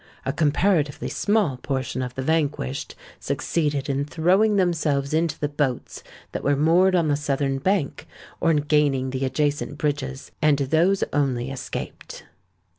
A comparatively small portion of the vanquished succeeded in throwing themselves into the boats that were moored on the southern bank, or in gaining the adjacent bridges; and those only escaped.